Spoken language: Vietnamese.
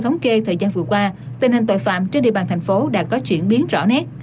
thống kê thời gian vừa qua tình hình tội phạm trên địa bàn thành phố đã có chuyển biến rõ nét